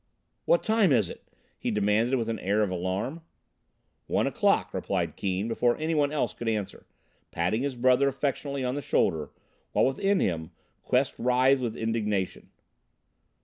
"What time is it?" he demanded with an air of alarm. "One o'clock," replied Keane before anyone else could answer, patting his brother affectionately on the shoulder while within him Quest writhed with indignation.